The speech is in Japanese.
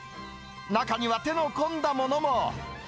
中には手の込んだものも。